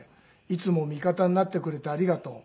「いつも味方になってくれてありがとう」